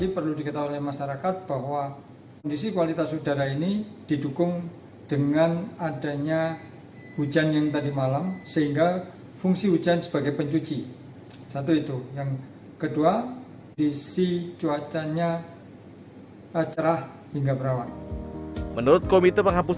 menurut komite penghapusan bensin bertimbal kepada cnindonesia com